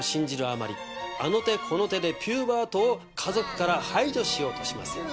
あまりあの手この手でピューバートを家族から排除しようとします。